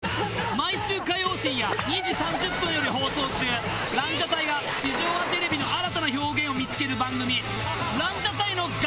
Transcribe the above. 毎週火曜深夜２時３０分より放送中ランジャタイが地上波テレビの新たな表現を見つける番組